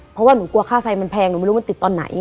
เพราะว่าหนูกลัวค่าไฟมันแพงหนูไม่รู้มันติดตอนไหน